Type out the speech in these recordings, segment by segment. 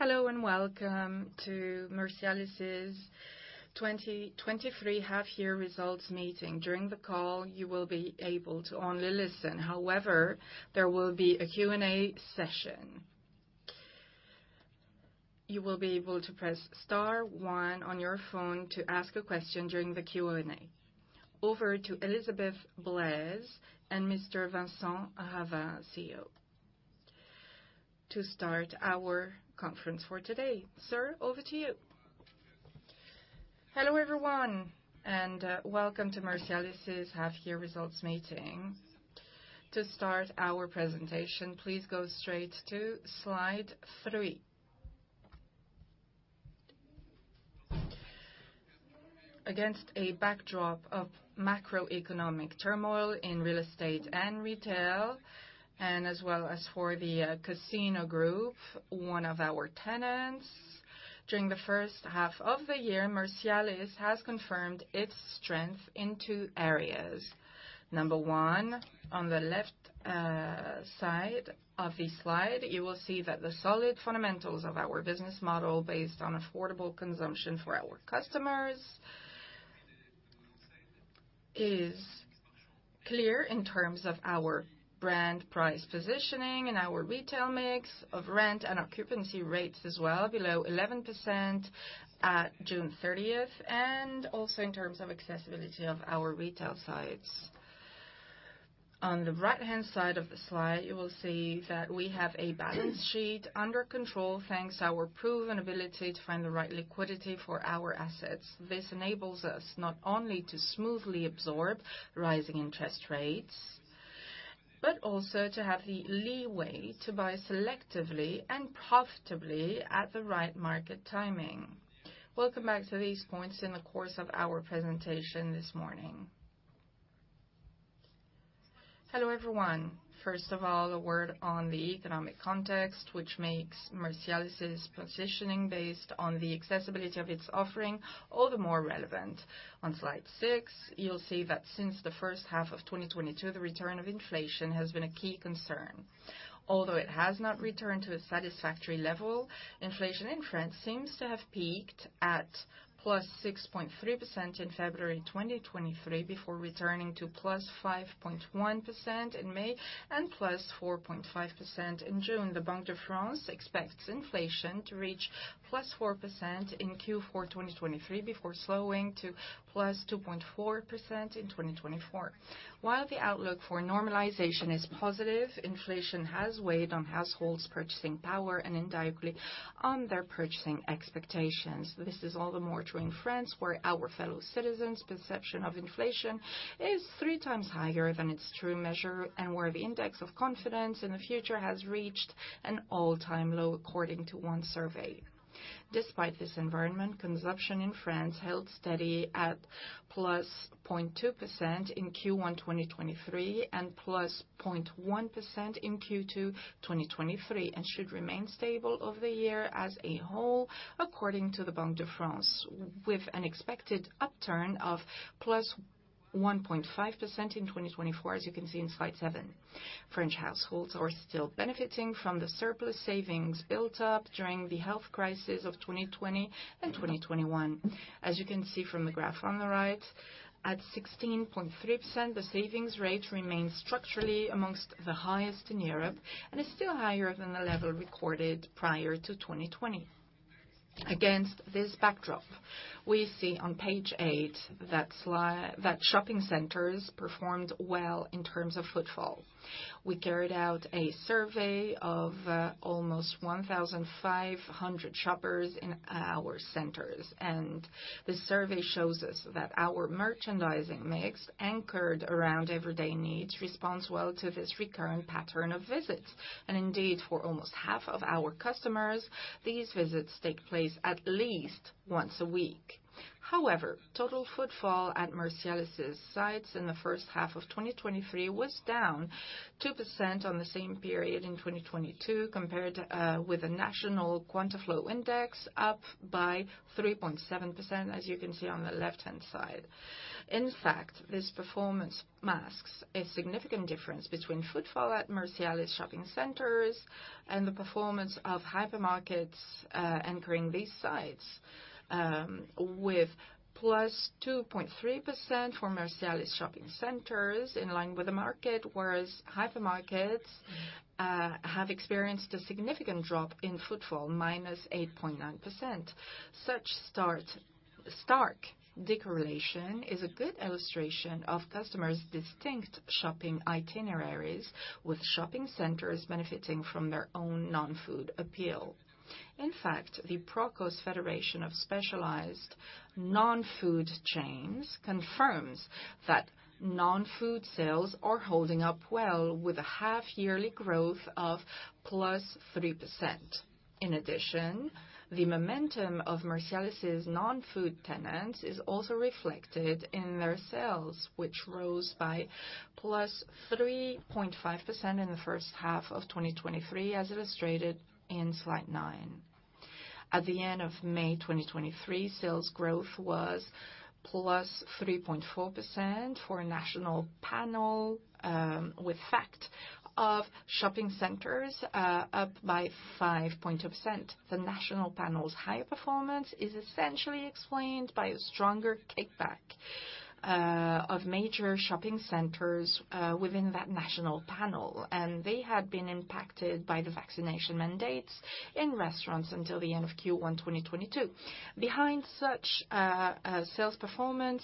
Hello, welcome to Mercialys' 2023 half year results meeting. During the call, you will be able to only listen. There will be a Q&A session. You will be able to press star one on your phone to ask a question during the Q&A. Over to Elizabeth Blaise and Vincent Ravat, CEO, to start our conference for today. Sir, over to you. Hello, everyone, welcome to Mercialys' half year results meeting. To start our presentation, please go straight to slide three. Against a backdrop of macroeconomic turmoil in real estate and retail, and as well as for the Casino Group, one of our tenants, during the first half of the year, Mercialys has confirmed its strength in two areas. Number one, on the left side of the slide, you will see that the solid fundamentals of our business model, based on affordable consumption for our customers, is clear in terms of our brand price positioning and our retail mix of rent and occupancy rates as well, below 11% at June 30th, and also in terms of accessibility of our retail sites. On the right-hand side of the slide, you will see that we have a balance sheet under control, thanks to our proven ability to find the right liquidity for our assets. This enables us not only to smoothly absorb rising interest rates, but also to have the leeway to buy selectively and profitably at the right market timing. We'll come back to these points in the course of our presentation this morning. Hello, everyone. First of all, a word on the economic context, which makes Mercialys' positioning based on the accessibility of its offering, all the more relevant. On slide six, you'll see that since the first half of 2022, the return of inflation has been a key concern. Although it has not returned to a satisfactory level, inflation in France seems to have peaked at +6.3% in February 2023, before returning to +5.1% in May and +4.5% in June. The Banque de France expects inflation to reach +4% in Q4 2023, before slowing to +2.4% in 2024. While the outlook for normalization is positive, inflation has weighed on households' purchasing power and indirectly on their purchasing expectations. This is all the more true in France, where our fellow citizens' perception of inflation is three times higher than its true measure, and where the index of confidence in the future has reached an all-time low, according to one survey. Despite this environment, consumption in France held steady at +0.2% in Q1 2023 and +0.1% in Q2 2023, and should remain stable over the year as a whole, according to the Banque de France, with an expected upturn of +1.5% in 2024, as you can see in slide seven. French households are still benefiting from the surplus savings built up during the health crisis of 2020 and 2021. As you can see from the graph on the right, at 16.3%, the savings rate remains structurally amongst the highest in Europe and is still higher than the level recorded prior to 2020. Against this backdrop, we see on page eight, that shopping centers performed well in terms of footfall. We carried out a survey of almost 1,500 shoppers in our centers, and the survey shows us that our merchandising mix, anchored around everyday needs, responds well to this recurrent pattern of visits. Indeed, for almost half of our customers, these visits take place at least once a week. Total footfall at Mercialys' sites in the first half of 2023 was down 2% on the same period in 2022, compared with the national Quantaflow index, up by 3.7%, as you can see on the left-hand side. This performance masks a significant difference between footfall at Mercialys shopping centers and the performance of hypermarkets anchoring these sites, with +2.3% for Mercialys shopping centers, in line with the market, whereas hypermarkets have experienced a significant drop in footfall, -8.9%. Such stark decorrelation is a good illustration of customers' distinct shopping itineraries, with shopping centers benefiting from their own non-food appeal. The Procos Federation of Specialized Non-Food Chains confirms that non-food sales are holding up well, with a half yearly growth of +3%. The momentum of Mercialys' non-food tenants is also reflected in their sales, which rose by +3.5% in the first half of 2023, as illustrated in slide nine. At the end of May 2023, sales growth was +3.4% for national panel, with effect of shopping centers up by 5.2%. The national panel's high performance is essentially explained by a stronger kickback of major shopping centers within that national panel. They had been impacted by the vaccination mandates in restaurants until the end of Q1 2022. Behind such a sales performance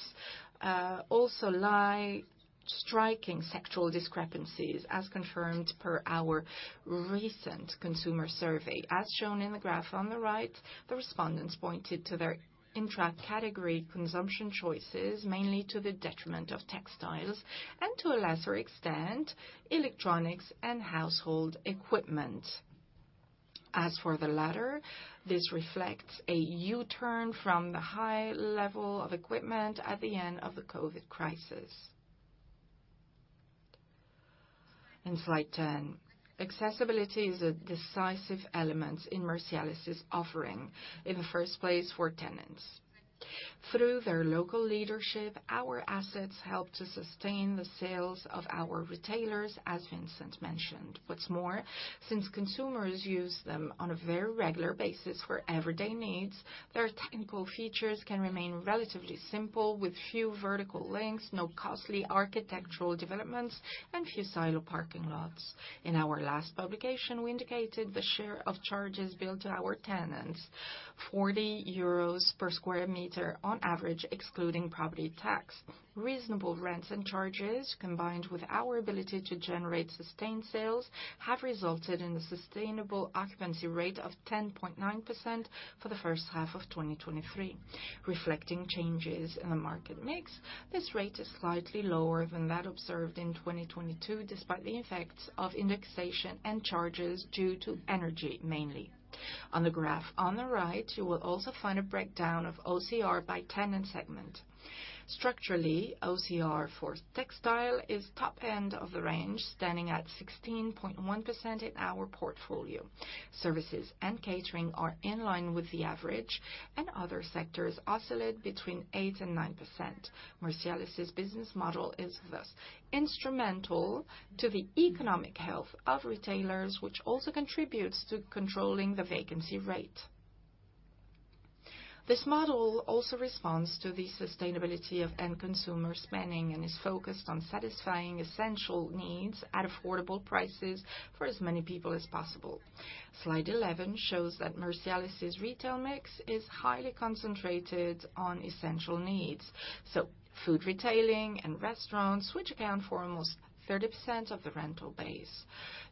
also lie striking sectoral discrepancies, as confirmed per our recent consumer survey. As shown in the graph on the right, the respondents pointed to their intra-category consumption choices, mainly to the detriment of textiles and, to a lesser extent, electronics and household equipment. As for the latter, this reflects a U-turn from the high level of equipment at the end of the COVID crisis. In slide 10, accessibility is a decisive element in Mercialys' offering, in the first place for tenants. Through their local leadership, our assets help to sustain the sales of our retailers, as Vincent mentioned. What's more, since consumers use them on a very regular basis for everyday needs, their technical features can remain relatively simple, with few vertical links, no costly architectural developments, and few silo parking lots. In our last publication, we indicated the share of charges billed to our tenants, 40 euros per square meter on average, excluding property tax. Reasonable rents and charges, combined with our ability to generate sustained sales, have resulted in a sustainable occupancy rate of 10.9% for the first half of 2023. Reflecting changes in the market mix, this rate is slightly lower than that observed in 2022, despite the effects of indexation and charges due to energy, mainly. On the graph on the right, you will also find a breakdown of OCR by tenant segment. Structurally, OCR for textile is top end of the range, standing at 16.1% in our portfolio. Services and catering are in line with the average, and other sectors oscillate between 8% and 9%. Mercialys' business model is, thus, instrumental to the economic health of retailers, which also contributes to controlling the vacancy rate. This model also responds to the sustainability of end consumer spending and is focused on satisfying essential needs at affordable prices for as many people as possible. Slide 11 shows that Mercialys' retail mix is highly concentrated on essential needs, so food, retailing, and restaurants, which account for almost 30% of the rental base.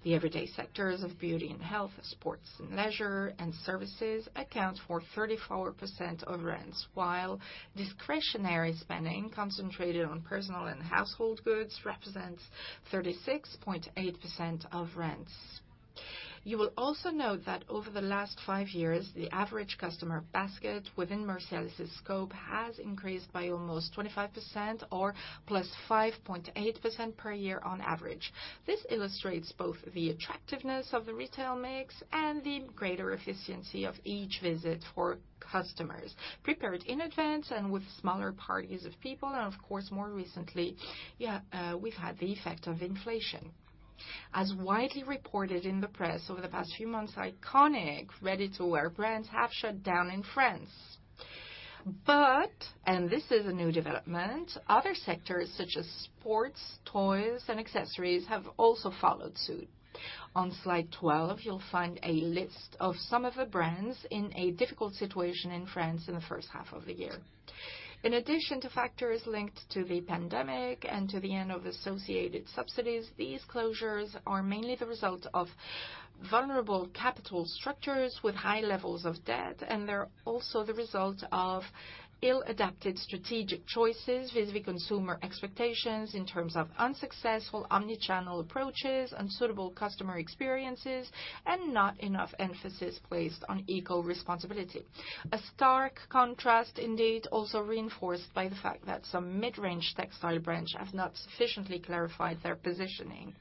The everyday sectors of beauty and health, sports and leisure, and services account for 34% of rents, while discretionary spending, concentrated on personal and household goods, represents 36.8% of rents. You will also note that over the last five years, the average customer basket within Mercialys' scope has increased by almost 25% or +5.8% per year on average. This illustrates both the attractiveness of the retail mix and the greater efficiency of each visit for customers prepared in advance and with smaller parties of people and, of course, more recently, yeah, we've had the effect of inflation. As widely reported in the press over the past few months, iconic ready-to-wear brands have shut down in France. This is a new development, other sectors, such as sports, toys, and accessories, have also followed suit. On slide 12, you'll find a list of some of the brands in a difficult situation in France in the first half of the year. In addition to factors linked to the pandemic and to the end of associated subsidies, these closures are mainly the result of vulnerable capital structures with high levels of debt, and they're also the result of ill-adapted strategic choices vis-a-vis consumer expectations in terms of unsuccessful omni-channel approaches, unsuitable customer experiences, and not enough emphasis placed on eco-responsibility. A stark contrast, indeed, also reinforced by the fact that some mid-range textile brands have not sufficiently clarified their positioning.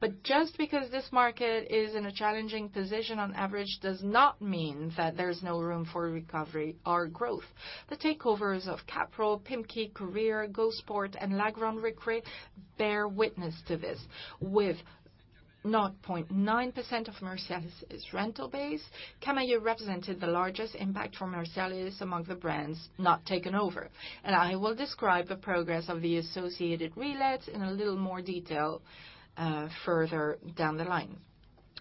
But just because this market is in a challenging position on average, does not mean that there's no room for recovery or growth. The takeovers of Kaporal, Pimkie, Camaïeu, Go Sport, and La Grande Récré bear witness to this. With 0.9% of Mercialys' rental base, Camaïeu represented the largest impact for Mercialys among the brands not taken over. I will describe the progress of the associated relets in a little more detail further down the line.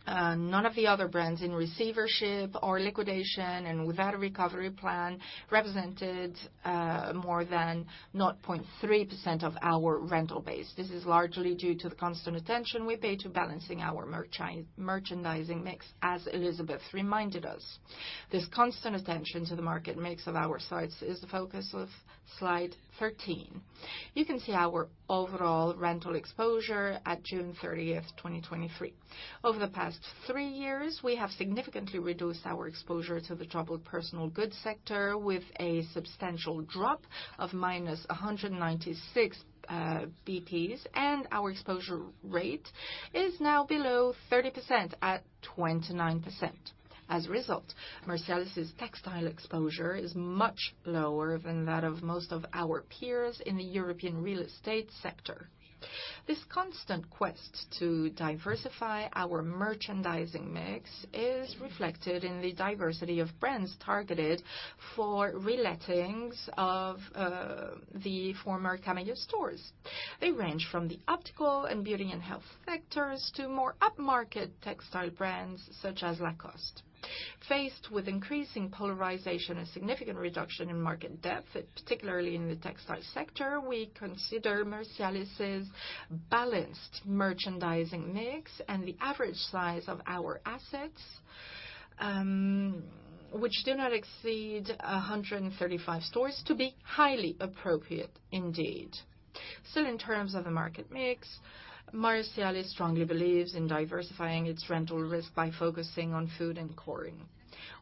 None of the other brands in receivership or liquidation and without a recovery plan, represented more than 0.3% of our rental base. This is largely due to the constant attention we pay to balancing our merchandising mix, as Elizabeth reminded us. This constant attention to the market mix of our sites is the focus of slide 13. You can see our overall rental exposure at June 30th, 2023. Over the past three years, we have significantly reduced our exposure to the troubled personal goods sector, with a substantial drop of minus 196 basis points, and our exposure rate is now below 30% at 29%. As a result, Mercialys' textile exposure is much lower than that of most of our peers in the European real estate sector. This constant quest to diversify our merchandising mix is reflected in the diversity of brands targeted for relettings of the former Camaïeu stores. They range from the optical and beauty and health sectors to more upmarket textile brands, such as Lacoste. Faced with increasing polarization, a significant reduction in market depth, particularly in the textile sector, we consider Mercialys' balanced merchandising mix and the average size of our assets, which do not exceed 135 stores, to be highly appropriate indeed. In terms of the market mix, Mercialys strongly believes in diversifying its rental risk by focusing on food anmg.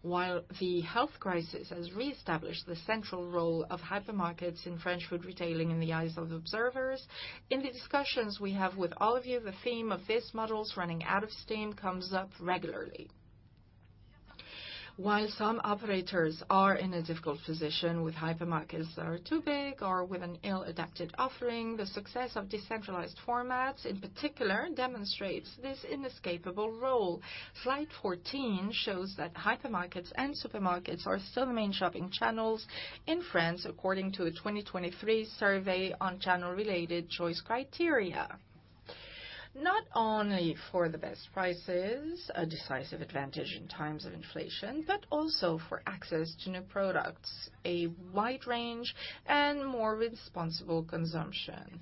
While the health crisis has reestablished the central role of hypermarkets in French food retailing in the eyes of observers, in the discussions we have with all of you, the theme of these models running out of steam comes up regularly. While some operators are in a difficult position with hypermarkets that are too big or with an ill-adapted offering, the success of decentralized formats, in particular, demonstrates this inescapable role. Slide 14 shows that hypermarkets and supermarkets are still the main shopping channels in France, according to a 2023 survey on channel-related choice criteria. Not only for the best prices, a decisive advantage in times of inflation, but also for access to new products, a wide range, and more responsible consumption.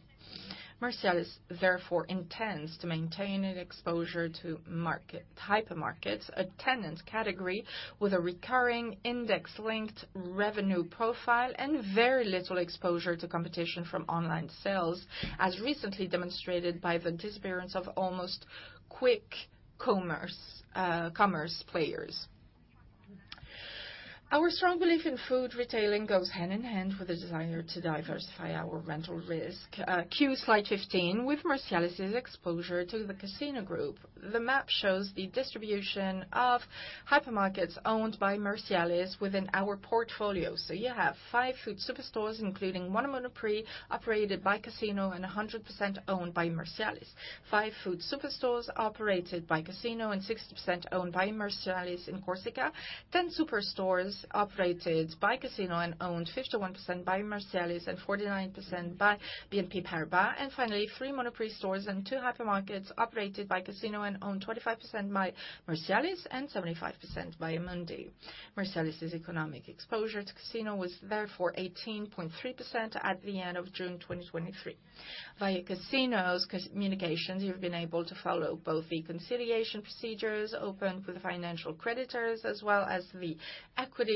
Mercialys, therefore, intends to maintain an exposure to market hypermarkets, a tenant category with a recurring index-linked revenue profile and very little exposure to competition from online sales, as recently demonstrated by the disappearance of almost Quick Commerce players. Our strong belief in food retailing goes hand in hand with a desire to diversify our rental risk. Cue slide 15, with Mercialys' exposure to the Casino Group. The map shows the distribution of hypermarkets owned by Mercialys within our portfolio. You have five food superstores, including one Monoprix, operated by Casino and 100% owned by Mercialys. Five food superstores operated by Casino and 60% owned by Mercialys in Corsica, then superstores operated by Casino and owned 51% by Mercialys and 49% by BNP Paribas, and finally, three Monoprix stores and two hypermarkets operated by Casino and owned 25% by Mercialys and 75% by Amundi. Mercialys' economic exposure to Casino was therefore 18.3% at the end of June 2023. Via Casino's communications, you've been able to follow both the conciliation procedures opened with the financial creditors, as well as the equity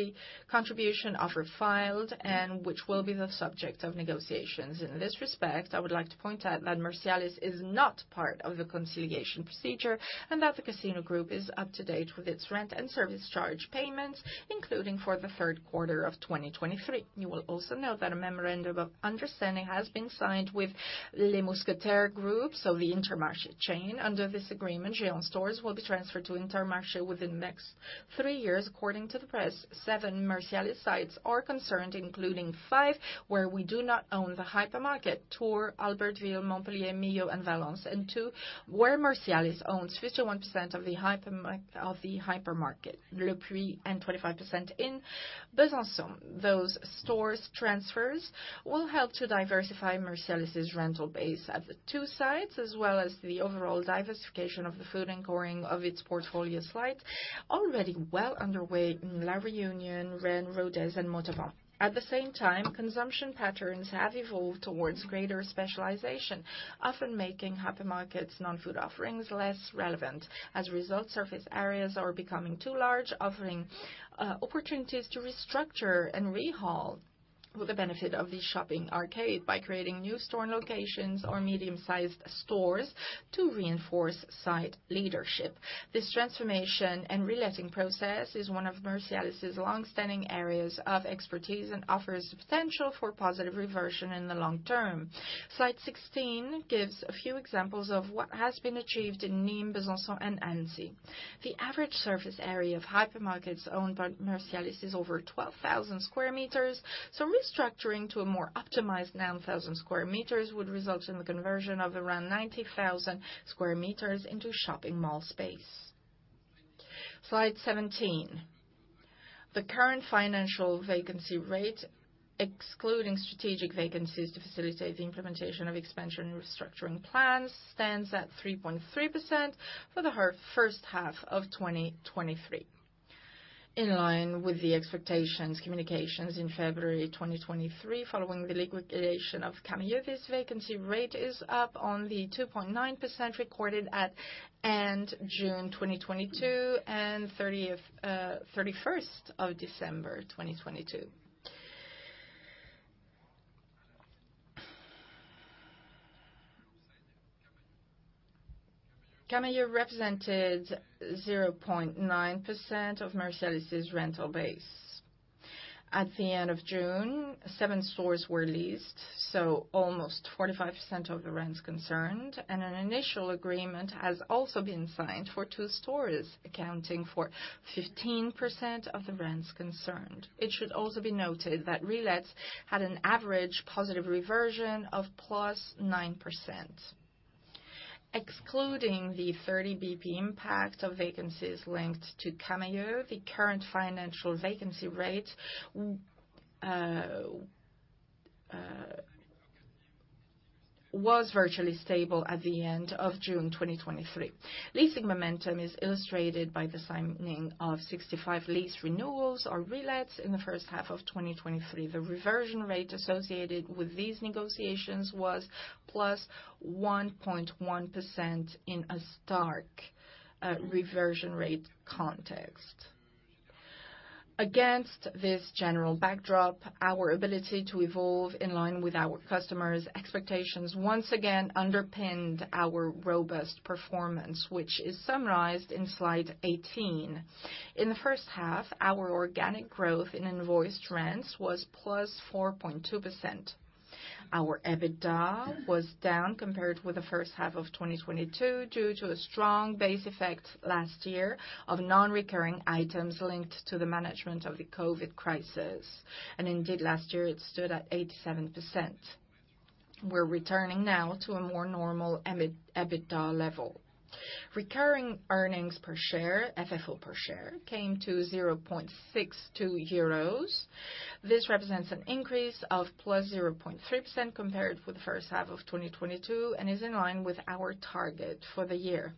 contribution offer filed, and which will be the subject of negotiations. In this respect, I would like to point out that Mercialys is not part of the conciliation procedure, and that the Casino Group is up to date with its rent and service charge payments, including for the third quarter of 2023. You will also note that a memorandum of understanding has been signed with Les Mousquetaires group, so the Intermarché chain. Under this agreement, Géant stores will be transferred to Intermarché within the next three years. According to the press, seven Mercialys sites are concerned, including five, where we do not own the hypermarket: Tours, Albertville, Montpellier, Millau, and Valence, and two, where Mercialys owns 51% of the hypermarket, Le Puy, and 25% in Besançon. Those stores transfers will help to diversify Mercialys' rental base at the two sites, as well as the overall diversification of the food anchoring of its portfolio slide, already well underway in La Réunion, Rennes, Rodez, and Montauban. At the same time, consumption patterns have evolved towards greater specialization, often making hypermarkets' non-food offerings less relevant. As a result, surface areas are becoming too large, offering opportunities to restructure and rehaul with the benefit of the shopping arcade by creating new store locations or medium-sized stores to reinforce site leadership. This transformation and reletting process is one of Mercialys' long-standing areas of expertise and offers potential for positive reversion in the long term. Slide 16 gives a few examples of what has been achieved in Nîmes, Besançon, and Annecy. The average surface area of hypermarkets owned by Mercialys is over 12,000 square meters, so restructuring to a more optimized 9,000 square meters would result in the conversion of around 90,000 square meters into shopping mall space. Slide 17. The current financial vacancy rate, excluding strategic vacancies to facilitate the implementation of expansion and restructuring plans, stands at 3.3% for the first half of 2023. In line with the expectations, communications in February 2023, following the liquidation of Camaïeu, this vacancy rate is up on the 2.9% recorded at end June 2022 and 31st of December, 2022. Camaïeu represented 0.9% of Mercialys' rental base. At the end of June, seven stores were leased, so almost 45% of the rents concerned, and an initial agreement has also been signed for two stores, accounting for 15% of the rents concerned. It should also be noted that relets had an average positive reversion of +9%. Excluding the 30 basis point impact of vacancies linked to Camaïeu, the current financial vacancy rate was virtually stable at the end of June 2023. Leasing momentum is illustrated by the signing of 65 lease renewals or relets in the first half of 2023. The reversion rate associated with these negotiations was +1.1% in a stark reversion rate context. Against this general backdrop, our ability to evolve in line with our customers' expectations once again underpinned our robust performance, which is summarized in slide 18. In the first half, our organic growth in invoiced rents was +4.2%. Our EBITDA was down compared with the first half of 2022, due to a strong base effect last year of non-recurring items linked to the management of the Covid crisis, and indeed, last year it stood at 87%. We're returning now to a more normal EBITDA level. Recurring earnings per share, FFO per share, came to 0.62 euros. This represents an increase of +0.3% compared with the first half of 2022, is in line with our target for the year.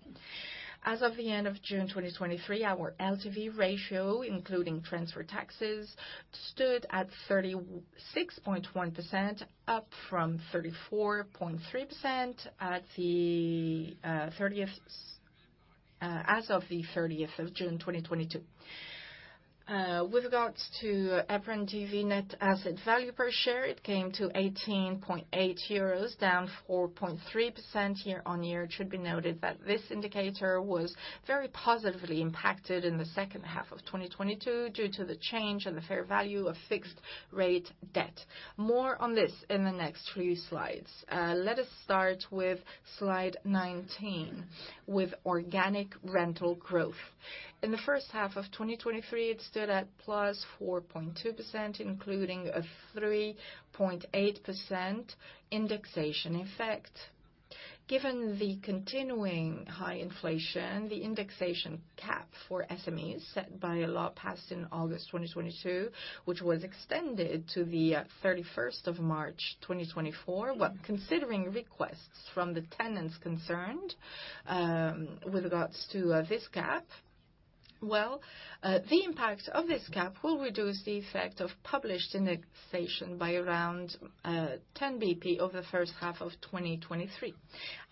As of the end of June 2023, our LTV ratio, including transfer taxes, stood at 36.1%, up from 34.3% as of the 30th of June 2022. With regards to EPRA NAV net asset value per share, it came to 18.8 euros, down 4.3% year-on-year. It should be noted that this indicator was very positively impacted in the second half of 2022 due to the change in the fair value of fixed rate debt. More on this in the next few slides. Let us start with slide 19, with organic rental growth. In the first half of 2023, it stood at +4.2%, including a 3.8% indexation effect. Given the continuing high inflation, the indexation cap for SMEs set by a law passed in August 2022, which was extended to the 31st of March, 2024. When considering requests from the tenants concerned, with regards to this cap, the impact of this cap will reduce the effect of published indexation by around 10 basis point over the first half of 2023.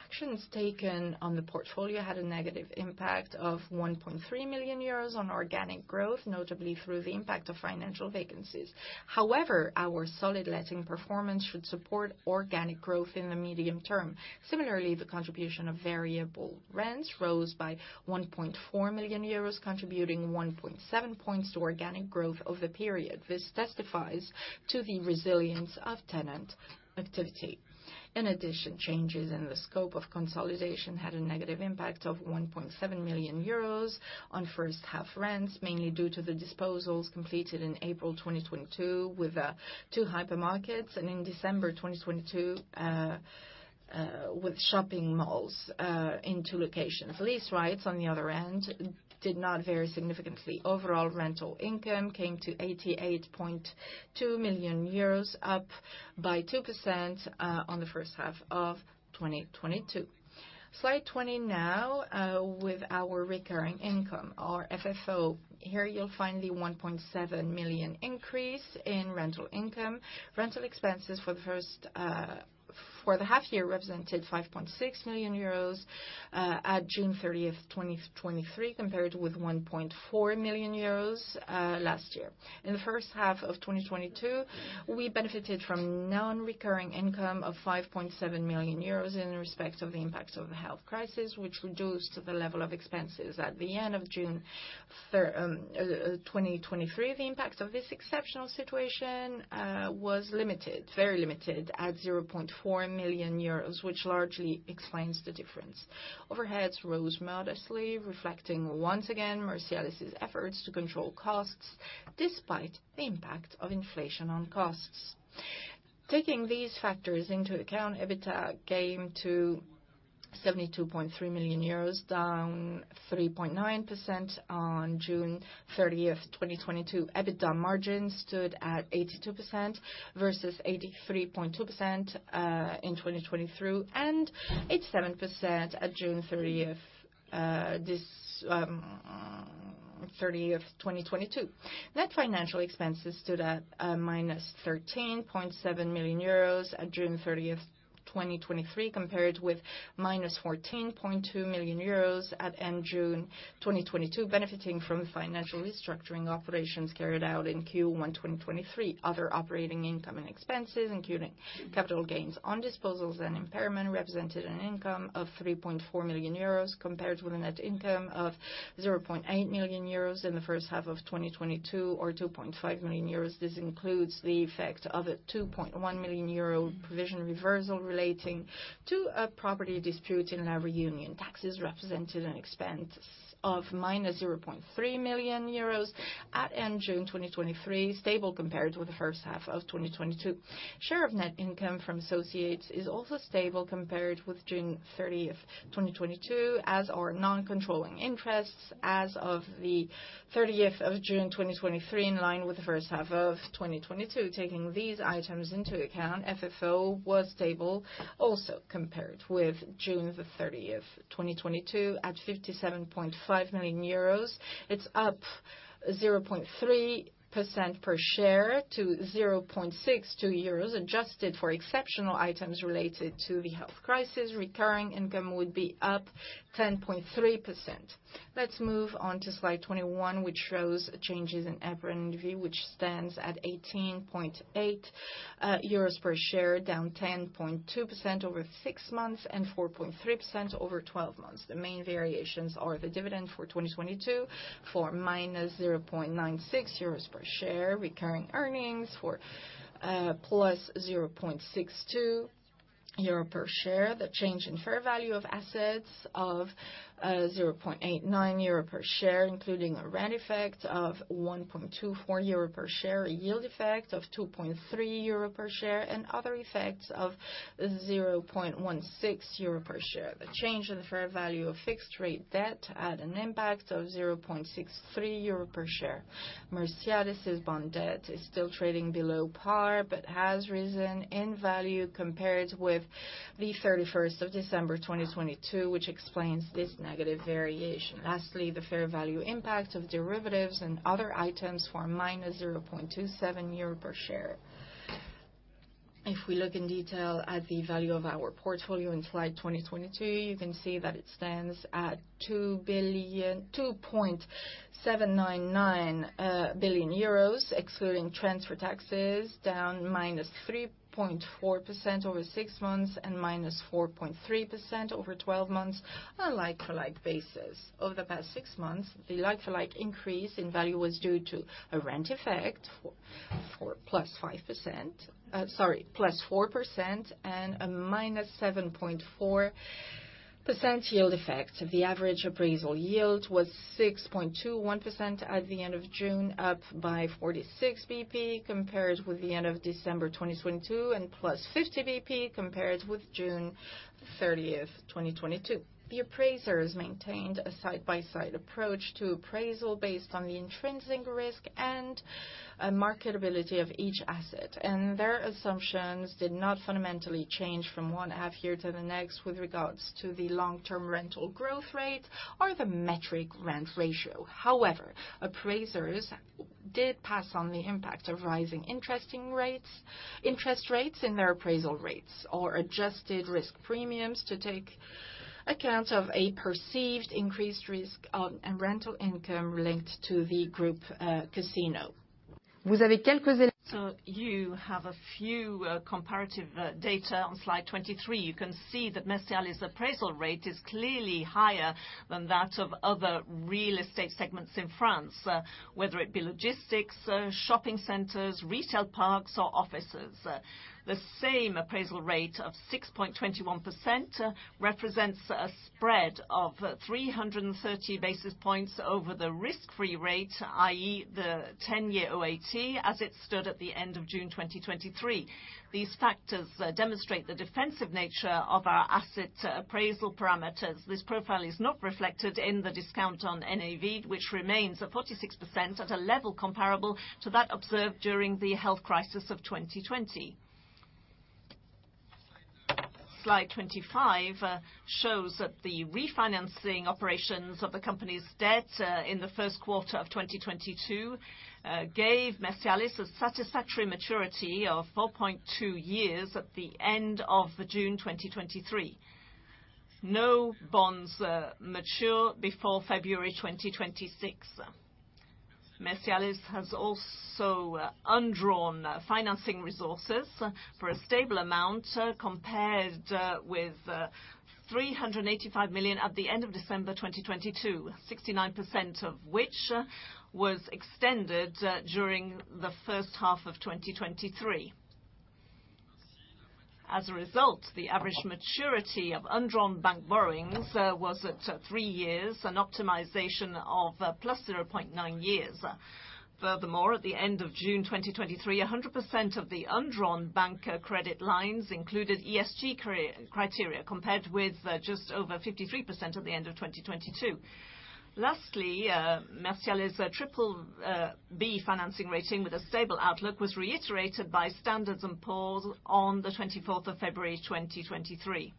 Actions taken on the portfolio had a negative impact of 1.3 million euros on organic growth, notably through the impact of financial vacancies. However, our solid letting performance should support organic growth in the medium term. Similarly, the contribution of variable rents rose by 1.4 million euros, contributing 1.7 points to organic growth over the period. This testifies to the resilience of tenant activity. Changes in the scope of consolidation had a negative impact of 1.7 million euros on first half rents, mainly due to the disposals completed in April 2022, with two hypermarkets, and in December 2022, with shopping malls, in two locations. Lease rights, on the other hand, did not vary significantly. Rental income came to EUR 88.2 million, up by 2% on the first half of 2022. Slide 20 now, with our recurring income, our FFO. Here, you'll find the 1.7 million increase in rental income. Rental expenses for the half year represented 5.6 million euros at June 30, 2023, compared with 1.4 million euros last year. In the first half of 2022, we benefited from non-recurring income of 5.7 million euros in respect of the impacts of the health crisis, which reduced the level of expenses. At the end of June 2023, the impact of this exceptional situation was limited, very limited, at 0.4 million euros, which largely explains the difference. Overheads rose modestly, reflecting, once again, Mercialys' efforts to control costs despite the impact of inflation on costs. Taking these factors into account, EBITDA came to EUR 72.3 million, down 3.9% on June 30, 2022. EBITDA margin stood at 82% versus 83.2% in 2023, and 87% at June 30th, 2022. Net financial expenses stood at -13.7 million euros at June 30th, 2023, compared with -14.2 million euros at end June 2022, benefiting from financial restructuring operations carried out in Q1 2023. Other operating income and expenses, including capital gains on disposals and impairment, represented an income of 3.4 million euros, compared with a net income of 0.8 million euros in the first half of 2022, or 2.5 million euros. This includes the effect of a 2.1 million euro provision reversal relating to a property dispute in La Reunion. Taxes represented an expense of -0.3 million euros at end June 2023, stable compared with the first half of 2022. Share of net income from associates is also stable compared with June 30, 2022, as are non-controlling interests as of the 30 of June, 2023, in line with the first half of 2022. Taking these items into account, FFO was stable, also compared with June 30, 2022, at 57.5 million euros. It's up 0.3% per share to 0.62 euros, adjusted for exceptional items related to the health crisis. Recurring income would be up 10.3%. Let's move on to slide 21, which shows changes in APRNV, which stands at 18.8 euros per share, down 10.2% over six months and 4.3% over 12 months. The main variations are the dividend for 2022, for -0.96 euros per share, recurring earnings for +0.62 euro per share, the change in fair value of assets of 0.89 euro per share, including a rent effect of 1.24 euro per share, a yield effect of 2.3 euro per share, and other effects of 0.16 euro per share. The change in the fair value of fixed rate debt had an impact of 0.63 euro per share. Mercialys' bond debt is still trading below par, but has risen in value compared with the 31st of December, 2022, which explains this negative variation. Lastly, the fair value impact of derivatives and other items for -0.27 euro per share. If we look in detail at the value of our portfolio in slide 2022, you can see that it stands at 2.799 billion euros, excluding transfer taxes, down -3.4% over six months and -4.3% over twelve months on a like-for-like basis. Over the past six months, the like-for-like increase in value was due to a rent effect for +5%, sorry, +4%, and a -7.4% yield effect. The average appraisal yield was 6.21% at the end of June, up by 46 basis point, compared with the end of December 2022, and +50 basis point, compared with June 30th, 2022. The appraisers maintained a side-by-side approach to appraisal based on the intrinsic risk and marketability of each asset, and their assumptions did not fundamentally change from one half year to the next with regards to the long-term rental growth rate or the metric rent ratio. However, appraisers did pass on the impact of rising interest rates in their appraisal rates or adjusted risk premiums to take account of a perceived increased risk in rental income linked to the group, Casino. You have a few comparative data on slide 23. You can see that Mercialys' appraisal rate is clearly higher than that of other real estate segments in France, whether it be logistics, shopping centers, retail parks, or offices. The same appraisal rate of 6.21% represents a spread of 330 basis points over the risk-free rate, i.e., the 10-year OAT, as it stood at the end of June 2023. These factors demonstrate the defensive nature of our asset appraisal parameters. This profile is not reflected in the discount on NAV, which remains at 46%, at a level comparable to that observed during the health crisis of 2020. Slide 25 shows that the refinancing operations of the company's debt in the first quarter of 2022 gave Mercialys a satisfactory maturity of 4.2 years at the end of June 2023. No bonds mature before February 2026. Mercialys has also undrawn financing resources for a stable amount compared with 385 million at the end of December 2022, 69% of which was extended during the first half of 2023. As a result, the average maturity of undrawn bank borrowings was at three years, an optimization of +0.9 years. Furthermore, at the end of June 2023, 100% of the undrawn bank credit lines included ESG criteria, compared with just over 53% at the end of 2022. Lastly, Mercialys's triple B financing rating with a stable outlook was reiterated by Standard & Poor's on the 24th of February 2023.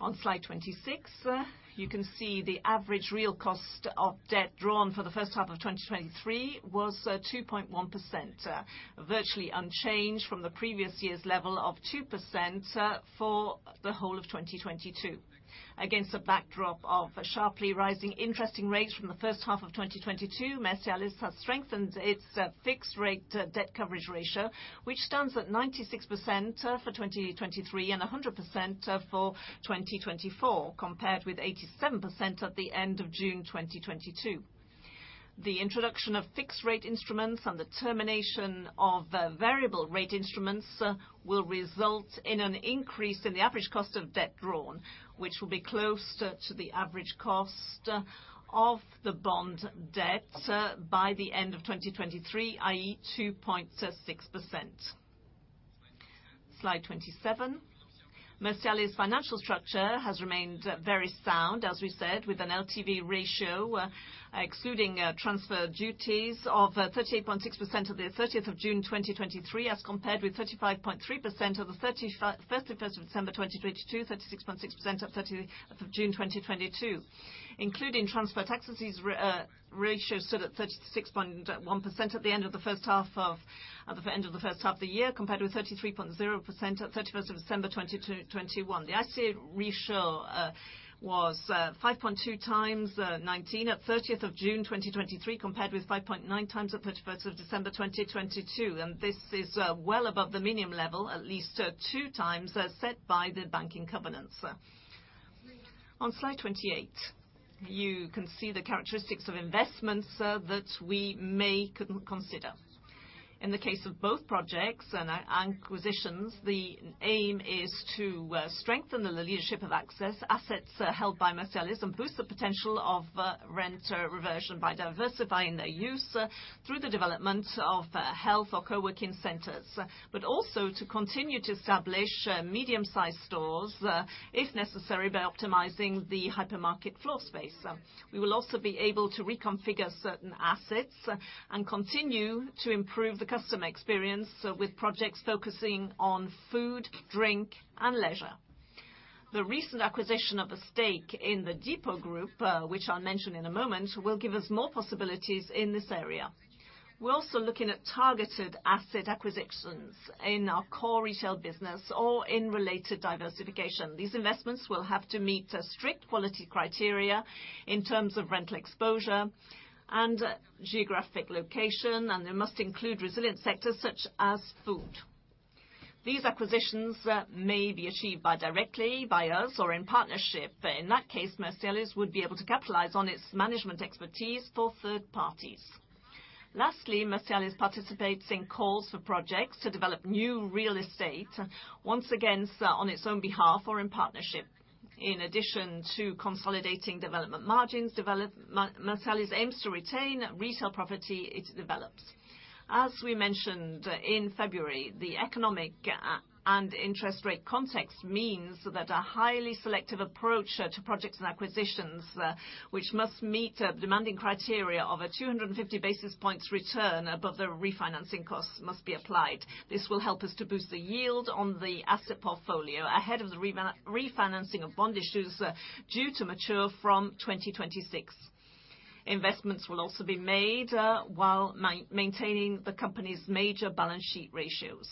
On slide 26, you can see the average real cost of debt drawn for the first half of 2023 was 2.1%, virtually unchanged from the previous year's level of 2% for the whole of 2022. Against a backdrop of sharply rising interest rates from the first half of 2022, Mercialys has strengthened its fixed rate debt coverage ratio, which stands at 96% for 2023, and 100% for 2024, compared with 87% at the end of June 2022. The introduction of fixed rate instruments and the termination of variable rate instruments will result in an increase in the average cost of debt drawn, which will be close to the average cost of the bond debt by the end of 2023, i.e., 2.6%. Slide 27. Mercialys financial structure has remained very sound, as we said, with an LTV ratio excluding transfer duties of 38.6% of the 30th of June 2023, as compared with 35.3% of the 31st of December 2022, 36.6% at 30 of June 2022. Including transfer taxes, these ratios stood at 36.1% at the end of the first half of the year, compared with 33.0% at December 31, 2021. The ICR ratio was 5.2x at June 30, 2023, compared with 5.9x at December 31, 2022. This is well above the minimum level, at least 2x set by the banking covenants. On slide 28, you can see the characteristics of investments that we may consider. In the case of both projects and acquisitions, the aim is to strengthen the leadership of assets held by Mercialys, and boost the potential of rent reversion by diversifying their use through the development of health or co-working centers, but also to continue to establish medium-sized stores, if necessary, by optimizing the hypermarket floor space. We will also be able to reconfigure certain assets and continue to improve the customer experience with projects focusing on food, drink, and leisure. The recent acquisition of a stake in the DEPUR Group, which I'll mention in a moment, will give us more possibilities in this area. We're also looking at targeted asset acquisitions in our core retail business or in related diversification. These investments will have to meet a strict quality criteria in terms of rental exposure and geographic location, and they must include resilient sectors, such as food. These acquisitions may be achieved directly by us or in partnership. In that case, Mercialys would be able to capitalize on its management expertise for third parties. Lastly, Mercialys participates in calls for projects to develop new real estate, once again, on its own behalf or in partnership. In addition to consolidating development margins, Mercialys aims to retain retail property it develops. As we mentioned in February, the economic and interest rate context means that a highly selective approach to projects and acquisitions, which must meet demanding criteria of a 250 basis points return above the refinancing costs, must be applied. This will help us to boost the yield on the asset portfolio ahead of the refinancing of bond issues, due to mature from 2026. Investments will also be made, while maintaining the company's major balance sheet ratios.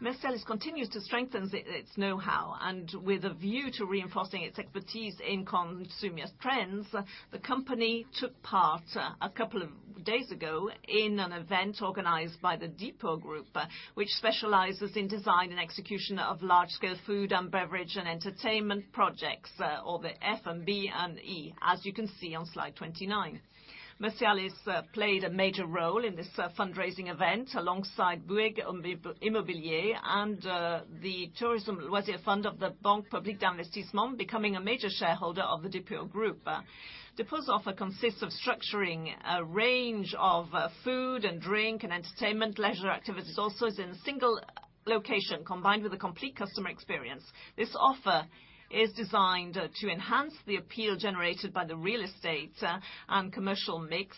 Mercialys continues to strengthen its know-how, and with a view to reinforcing its expertise in consumer trends, the company took part, a couple of days ago, in an event organized by the DEPUR Group, which specializes in design and execution of large-scale food and beverage and entertainment projects, or the F&B & E, as you can see on slide 29. Mercialys played a major role in this fundraising event, alongside Bouygues Immobilier and the Tourism Leisure Fund of the Banque Publique d'Investissement, becoming a major shareholder of the DEPUR Group. DEPUR's offer consists of structuring a range of food and drink, and entertainment, leisure activities also, is in a single location, combined with a complete customer experience. This offer is designed to enhance the appeal generated by the real estate and commercial mix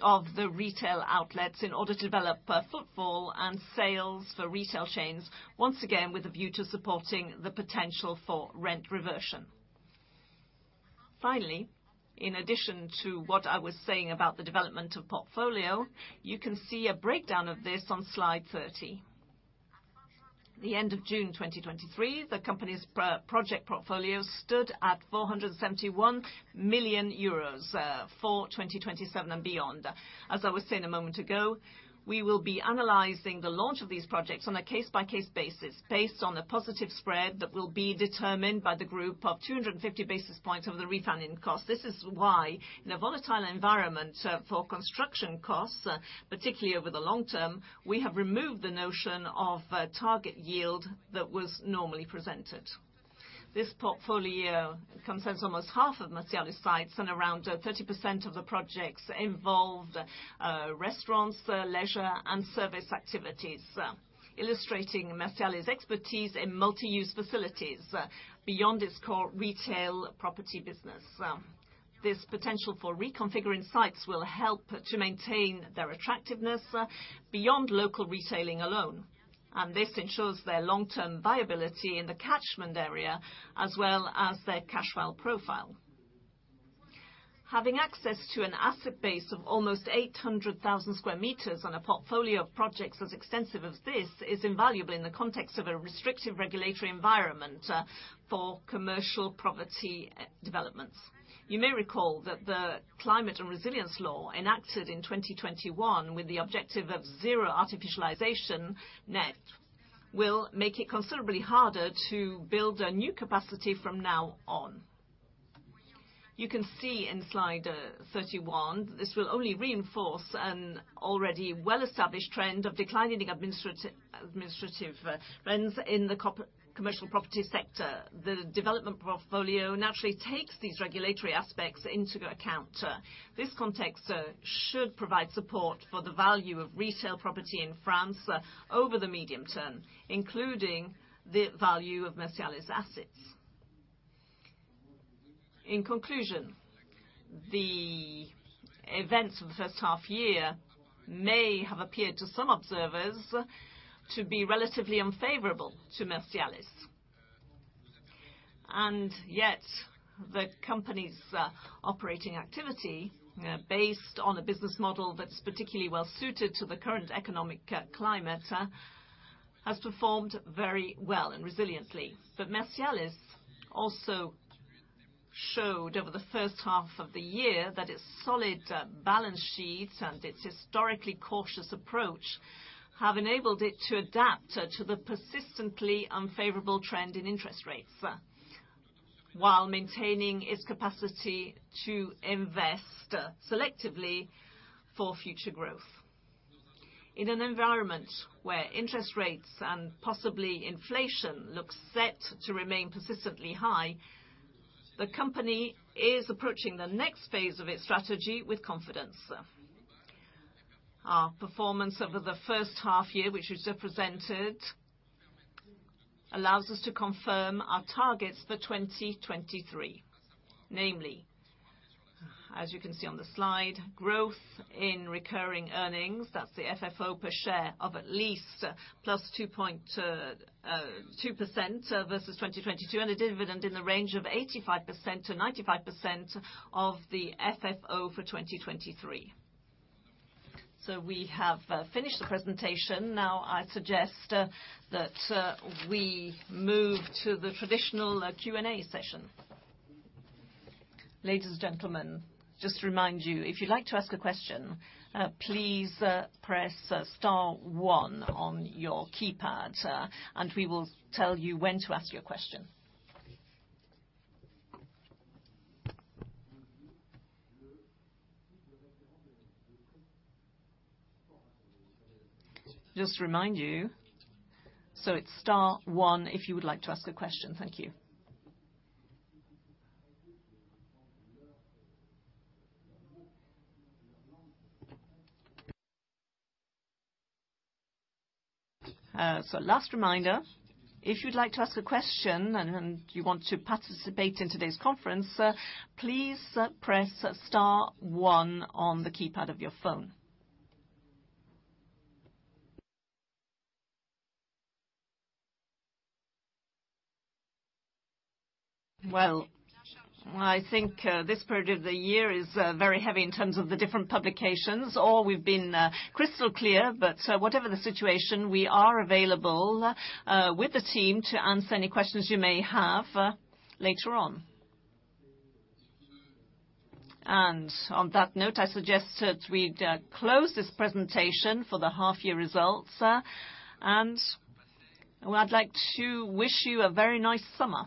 of the retail outlets in order to develop footfall and sales for retail chains, once again, with a view to supporting the potential for rent reversion. Finally, in addition to what I was saying about the development of portfolio, you can see a breakdown of this on slide 30. The end of June 2023, the company's project portfolio stood at 471 million euros for 2027 and beyond. As I was saying a moment ago, we will be analyzing the launch of these projects on a case-by-case basis, based on a positive spread that will be determined by the group of 250 basis points over the refinancing cost. This is why, in a volatile environment, for construction costs, particularly over the long term, we have removed the notion of a target yield that was normally presented. This portfolio consists almost half of Mercialys sites. Around 30% of the projects involved restaurants, leisure, and service activities, illustrating Mercialys' expertise in multi-use facilities beyond its core retail property business. This potential for reconfiguring sites will help to maintain their attractiveness beyond local retailing alone. This ensures their long-term viability in the catchment area, as well as their cashflow profile. Having access to an asset base of almost 800,000 square meters on a portfolio of projects as extensive as this, is invaluable in the context of a restrictive regulatory environment for commercial property developments. You may recall that the Climate and Resilience Law enacted in 2021 with the objective of Zéro Artificialisation Nette, will make it considerably harder to build a new capacity from now on. You can see in slide 31, this will only reinforce an already well-established trend of declining administrative rents in the commercial property sector. The development portfolio naturally takes these regulatory aspects into account. This context should provide support for the value of retail property in France over the medium term, including the value of Mercialys assets. In conclusion, the events of the first half year may have appeared to some observers to be relatively unfavorable to Mercialys, yet the company's operating activity, based on a business model that's particularly well suited to the current economic climate, has performed very well and resiliently. Mercialys also showed over the first half of the year that its solid balance sheets and its historically cautious approach, have enabled it to adapt to the persistently unfavorable trend in interest rates, while maintaining its capacity to invest selectively for future growth. In an environment where interest rates and possibly inflation look set to remain persistently high, the company is approaching the next phase of its strategy with confidence. Our performance over the first half year, which is represented, allows us to confirm our targets for 2023. Namely, as you can see on the slide, growth in recurring earnings, that's the FFO per share of at least +2.2% versus 2022, and a dividend in the range of 85% to 95% of the FFO for 2023. We have finished the presentation. Now, I suggest that we move to the traditional Q&A session. Ladies and gentlemen, just to remind you, if you'd like to ask a question, please press star one on your keypad, and we will tell you when to ask your question. Just to remind you, it's star one if you would like to ask a question. Thank you. Last reminder, if you'd like to ask a question and you want to participate in today's conference, please press star one on the keypad of your phone. Well, I think this period of the year is very heavy in terms of the different publications, or we've been crystal clear. Whatever the situation, we are available with the team to answer any questions you may have later on. On that note, I suggest that we close this presentation for the half year results. Well, I'd like to wish you a very nice summer.